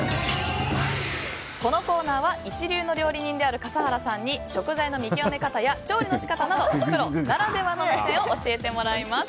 このコーナーは一流の料理人である笠原さんに食材の見極め方や調理の仕方などプロならではの目線を教えてもらいます。